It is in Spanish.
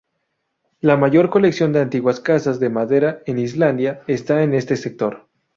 La mayor colección de antiguas casas de madera en Islandia esta en este sector.